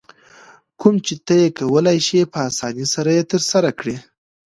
کوم چې ته یې کولای شې په اسانۍ سره یې ترسره کړې.